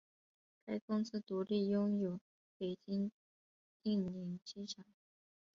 该公司独立拥有北京定陵机场。